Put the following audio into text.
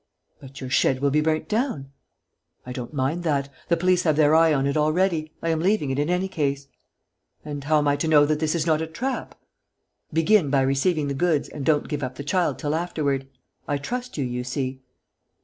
"But your shed will be burnt down...." "I don't mind that: the police have their eye on it already. I am leaving it in any case." "And how am I to know that this is not a trap?" "Begin by receiving the goods and don't give up the child till afterward. I trust you, you see."